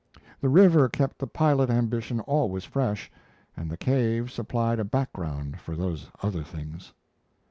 The river kept the pilot ambition always fresh, and the cave supplied a background for those other things.